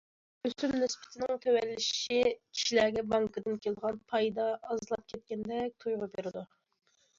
ئۆسۈم نىسبىتىنىڭ تۆۋەنلىشى كىشىلەرگە بانكىدىن كېلىدىغان‹‹ پايدا›› ئازلاپ كەتكەندەك تۇيغۇ بېرىدۇ.